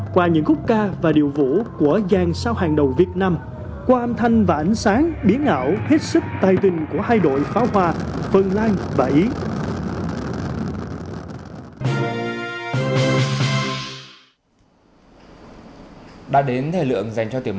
qua những khúc ca và điệu vũ của gian sao hàng đầu việt nam qua âm thanh và ảnh sáng biến ảo hết sức tài tình của hai đội phá hoa phân lan và ý